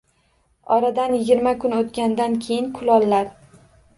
Oradan yigirma kun o‘tgandan keyin kulollar